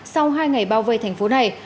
sau hai ngày bao vây thành phố này